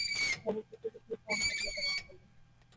চলচ্চিত্রটি খুব কম সফলতা লাভ করে।